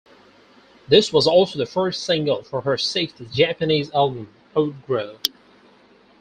This was also the first single for her sixth Japanese album, Outgrow.